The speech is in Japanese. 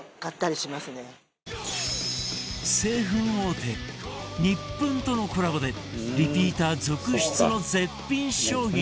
製粉大手ニップンとのコラボでリピーター続出の絶品商品